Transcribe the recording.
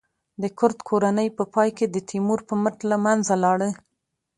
د کرت کورنۍ په پای کې د تیمور په مټ له منځه لاړه.